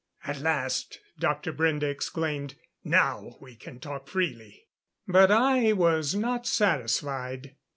"At last," Dr. Brende exclaimed. "Now we can talk freely." But I was not satisfied.